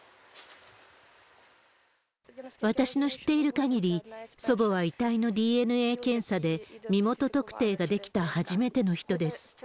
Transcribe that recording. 私の知っている限り、祖母は遺体のＤＮＡ検査で身元特定ができた初めての人です。